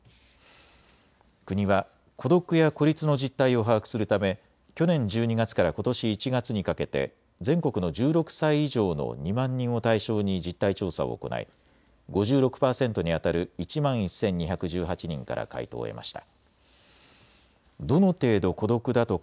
国は孤独や孤立の実態を把握するため去年１２月からことし１月にかけて全国の１６歳以上の２万人を対象に実態調査を行い５６％にあたる１万１２１８人から回答を得ました。